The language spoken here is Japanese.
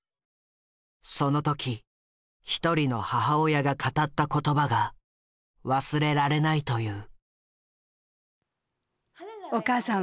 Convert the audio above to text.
その時１人の母親が語った言葉が忘れられないという。